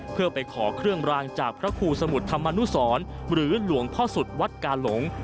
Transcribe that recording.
เพื่อไปขอเครื่องรางจากพระครูสมุทรธรรมนุสรหรือหลวงพ่อสุดวัดกาหลง